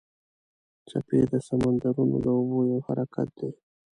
څپې د سمندرونو د اوبو یو حرکت دی.